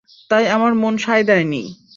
তাই আমার মন সায় দেয়নি।